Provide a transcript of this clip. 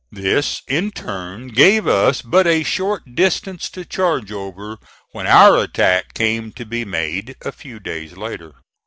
This, in turn, gave us but a short distance to charge over when our attack came to be made a few days later.